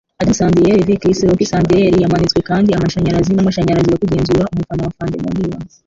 Adam Sandler V. Chris Rock - Sandler yamanitswe kandi amashanyarazi n'amashanyarazi yo kugenzura umufana wa Fandemonium.